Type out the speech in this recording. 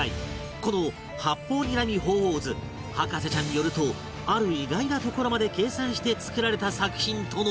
この『八方睨み鳳凰図』博士ちゃんによるとある意外なところまで計算して作られた作品との事